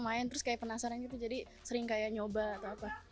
main terus kayak penasaran gitu jadi sering kayak nyoba atau apa